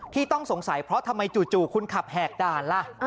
ที่ต้องสงสัยเพราะทำไมจู่คุณขับแหกด่านล่ะ